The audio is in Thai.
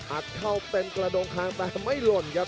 อัดเข้าเป็นกระดงคางแต่ไม่หล่นครับ